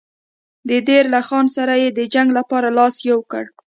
د دیر له خان سره یې د جنګ لپاره لاس یو کړ.